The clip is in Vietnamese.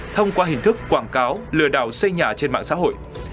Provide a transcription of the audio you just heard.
thông qua hình thức quảng cáo lừa đảo xây nhà trên mạng xã hội